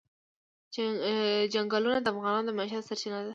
چنګلونه د افغانانو د معیشت سرچینه ده.